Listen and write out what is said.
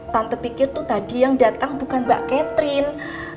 tante pikir itu tadi yang datang bukan mbak catherine